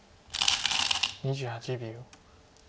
２８秒。